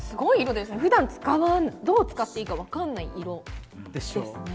普段どう使っていいか分かんない色ですね。